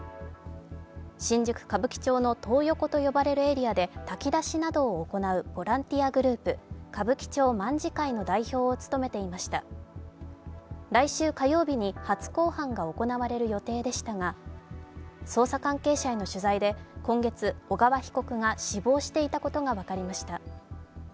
新宿・歌舞伎町のトー横と呼ばれるエリアで炊き出しなどを行うボランティアグループ、歌舞伎町卍会の代表を務めていました来週火曜日に初公判が行われる予定でしたが、捜査関係者への取材で、今月、小川被告が死亡していたことが分かりました。